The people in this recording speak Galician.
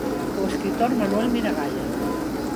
O escritor Manuel Miragaia.